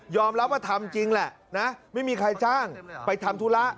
รับว่าทำจริงแหละนะไม่มีใครจ้างไปทำธุระ